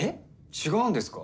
違うんですか？